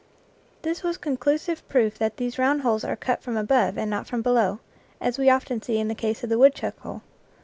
This was conclusive proof that these round holes are cut from above and not from below, as we often see in the case of the woodchuck hole.